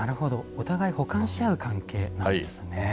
お互い補完し合う関係なんですね。